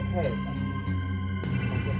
nggak usah ngajak orang